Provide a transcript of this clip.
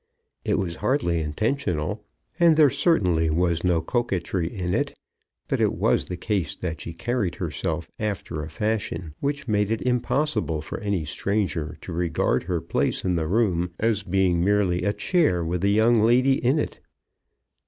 It was hardly intentional, and there certainly was no coquetry in it; but it was the case that she carried herself after a fashion which made it impossible for any stranger to regard her place in the room as being merely a chair with a young lady in it.